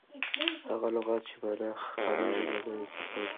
هغه لغت، چي مانا ئې خړېږي، له ژبي څخه وځي.